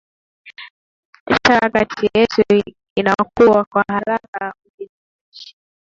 shara kati yetu inakua kwa haraka ukijumlisha